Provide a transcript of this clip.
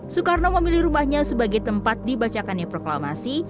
soekarno memilih rumahnya sebagai tempat dibacakannya proklamasi